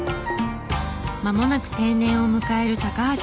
まもなく定年を迎える高橋さん。